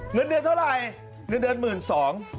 เงินเดือนเท่าไหร่เงินเดือน๑๒๐๐บาท